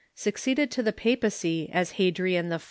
succeeded to the papacy as Hadrian IV.